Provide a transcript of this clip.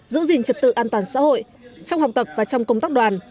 giữ gìn trật tự an toàn xã hội trong học tập và trong công tác đoàn